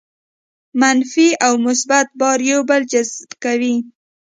منفي او مثبت بار یو بل جذب کوي.